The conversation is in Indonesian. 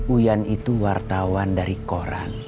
uyan itu wartawan dari koran